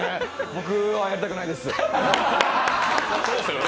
僕はやりたくないです。